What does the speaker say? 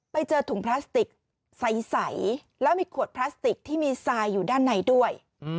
ไปเจอถุงพลาสติกใสแล้วมีขวดพลาสติกที่มีทรายอยู่ด้านในด้วย